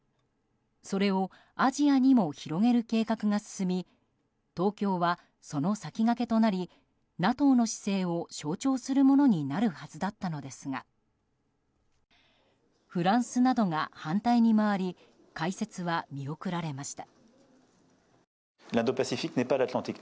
それをアジアにも広げる計画が進み東京は、その先駆けとなりＮＡＴＯの姿勢を象徴するものになるはずだったのですがフランスなどが反対に回り開設は見送られました。